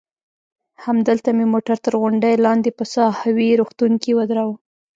همدلته مې موټر تر غونډۍ لاندې په ساحوي روغتون کې ودراوه.